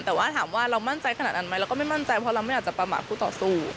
แต่ว่าถามว่าเรามั่นใจขนาดนั้นไหมเราก็ไม่มั่นใจเพราะเราไม่อยากจะประมาทผู้ต่อสู้